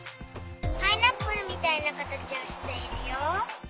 パイナップルみたいなかたちをしているよ。